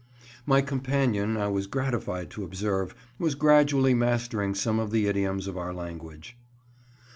My companion, I was gratified to observe, was gradually mastering some of the idioms of our language.